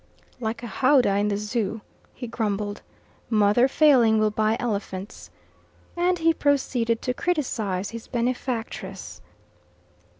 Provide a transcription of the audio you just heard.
"Like a howdah in the Zoo," he grumbled. "Mother Failing will buy elephants." And he proceeded to criticize his benefactress.